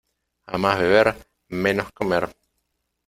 A más beber, menos comer.